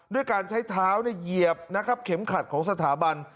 ด้วยการใช้เท้าเหยียบนะครับเข็มขัดของสถาบัน